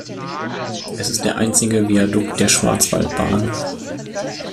Es ist der einzige Viadukt der Schwarzwaldbahn.